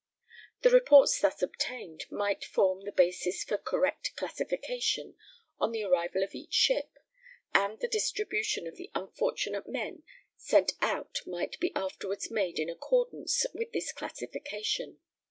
The reports thus obtained might form the basis for correct classification on the arrival of each ship; and the distribution of the unfortunate men sent out might be afterwards made in accordance with this classification.